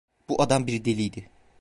Bu adam bir deliydi…